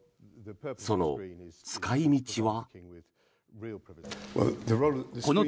その使い道は。